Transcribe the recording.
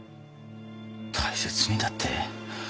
大切にだって？